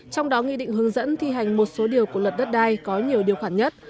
trong đó nghị định hướng dẫn thi hành một số điều của luật đất đai có nhiều điều khoản nhất